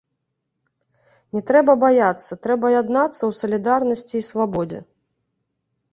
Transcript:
Не трэба баяцца, трэба яднацца ў салідарнасці і свабодзе.